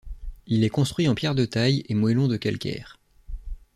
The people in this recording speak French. Il est construit en pierres de taille et mœllons de calcaire.